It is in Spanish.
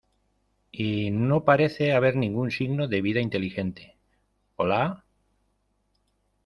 Y no parece haber ningún signo de vida inteligente. ¡ Hola!